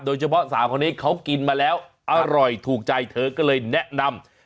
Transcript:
โดยเฉพาะสาวคนนี้เขากินมาแล้วอร่อยถูกใจเธอก็เลยแนะนำ